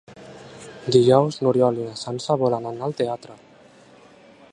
Dijous n'Oriol i na Sança volen anar al teatre.